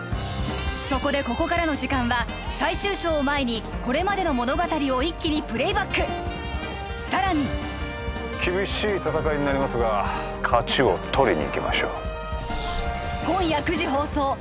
そこでここからの時間は最終章を前にこれまでの物語を一気にプレイバックさらに厳しい戦いになりますが勝ちを取りにいきましょう